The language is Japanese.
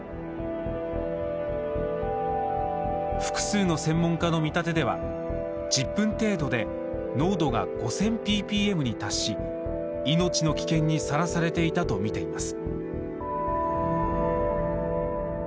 複数の専門家の見立てでは１０分程度で濃度が５０００ＰＰＭに達し命の危険にさらされていたとみています。